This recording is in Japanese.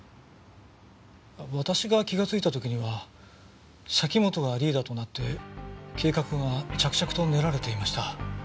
私が気がついた時には崎本がリーダーとなって計画が着々と練られていました。